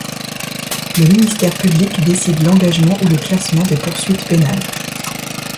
Le ministère public décide l'engagement ou le classement des poursuites pénales.